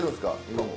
今も。